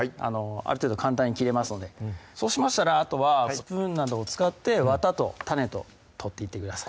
ある程度簡単に切れますのでそうしましたらあとはスプーンなどを使ってわたと種と取っていってください